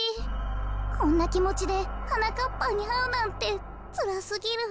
こころのこえこんなきもちではなかっぱんにあうなんてつらすぎる。